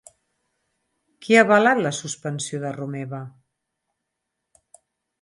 Qui ha avalat la suspensió de Romeva?